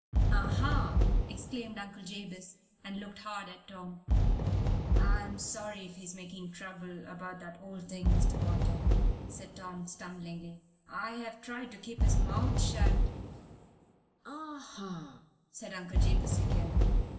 "Ah ha!" exclaimed Uncle Jabez, and looked hard at Tom. "I'm sorry if he makes trouble about that old thing, Mr. Potter," said Tom, stumblingly. "I've tried to keep his mouth shut " "Ah ha!" said Uncle Jabez, again.